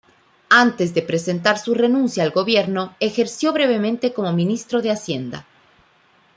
Antes de presentar su renuncia al gobierno, ejerció brevemente como ministro de Hacienda.